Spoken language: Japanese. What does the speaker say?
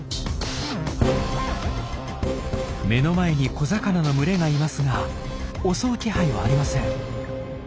目の前に小魚の群れがいますが襲う気配はありません。